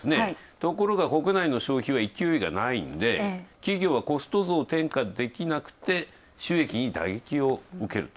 ところが国内の消費は勢いがないので、企業はコスト増を転嫁できなくて、収益に打撃を受けると。